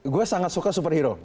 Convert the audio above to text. gue sangat suka superhero